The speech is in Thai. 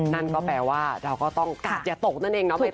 นั่นก็แปลว่าเราก็ต้องอย่าตกนั่นเองเนาะ